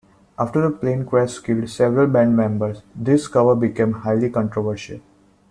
After the plane crash killed several band members, this cover became highly controversial.